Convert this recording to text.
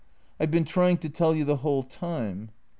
" I 've been trying to tell you the whole time."